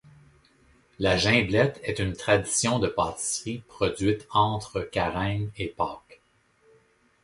La gimblette est une tradition de pâtisserie produite entre Carême et Pâques.